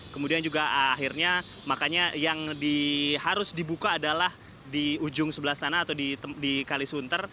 kemudian juga akhirnya makanya yang harus dibuka adalah di ujung sebelah sana atau di kalisunter